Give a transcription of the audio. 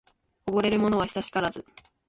おごれるものは久しからず